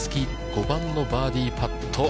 ５番のバーディーパット。